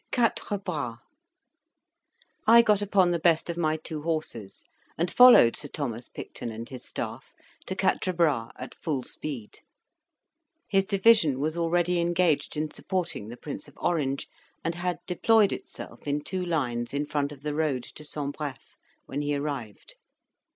QUATRE BRAS I got upon the best of my two horses, and followed Sir Thomas Picton and his staff to Quatre Bras at full speed. His division was already engaged in supporting the Prince of Orange, and had deployed itself in two lines in front of the road to Sombref when he arrived.